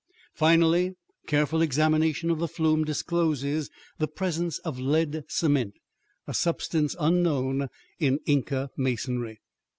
Finally, careful examination of the flume discloses the presence of lead cement, a substance unknown in Inca masonry.